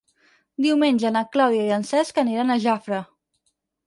Diumenge na Clàudia i en Cesc aniran a Jafre.